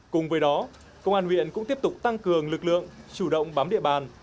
cùng với đó công an huyện cũng tiếp tục tăng cường lực lượng chủ động bám địa bàn